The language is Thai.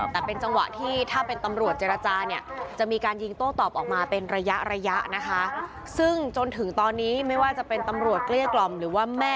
แต่เป็นจังหวะที่ถ้าเป็นตำรวจเจรจาเนี่ยจะมีการยิงโต้ตอบออกมาเป็นระยะระยะนะคะ